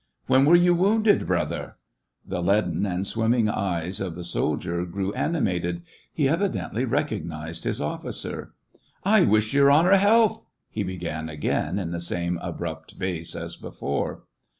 " When were you wounded, brother }" The leaden and swimming eyes of the soldier grew animated ; he evidently recognized his offi cer. I wish Your Honor health !" he began again, in the same abrupt bass as before.